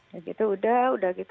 ya gitu udah udah gitu